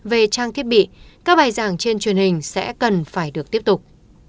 về trang thiết bị các bài giảng trên truyền hình sẽ cần phải được tiếp tục